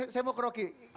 saya mau ke rocky